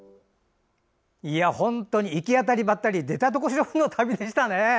本当に行き当たりばったり出たとこ勝負の旅でしたね。